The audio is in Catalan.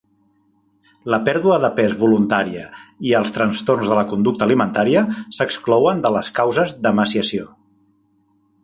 La pèrdua de pes voluntària i els trastorns de la conducta alimentària s'exclouen de les causes d'emaciació.